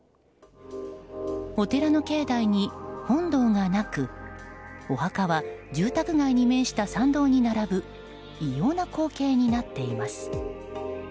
お寺の境内に本堂がなくお墓は住宅街に面した参道に並ぶ異様な光景になっています。